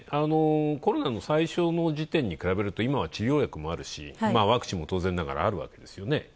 コロナの最初の時点に比べると、今は治療薬もあるし、ワクチンも当然あるわけです。